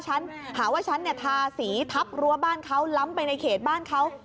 หาว่าฉันเนี่ยทาสีทับรั้วบ้านเขาล้ำไปในเขตบ้านเขา